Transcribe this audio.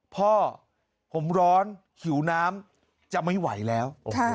พ่อผมร้อนหิวน้ำจะไม่ไหวแล้ว